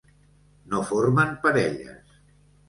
No formen parelles.